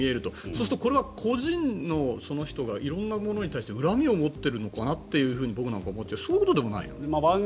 そうするとこれは個人のその人が色んなものに対して恨みを持っているのかなと僕なんかは思っちゃうんだけどそういうことでもないの？